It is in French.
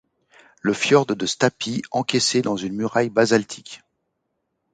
Le fjörd de Stapi encaissé dans une muraille basaltique.